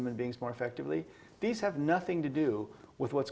kapital itu akan mulai berlari